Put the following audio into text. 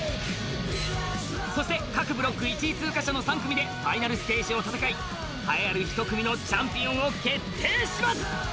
そして各ブロック１位通過者の３組でファイナルステージを戦い栄えある１組のチャンピオンを決定します。